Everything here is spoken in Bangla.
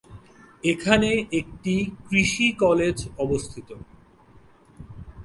এখানে একটি কৃষি কলেজ অবস্থিত।